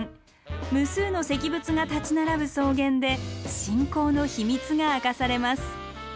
無数の石仏が立ち並ぶ草原で信仰の秘密が明かされます。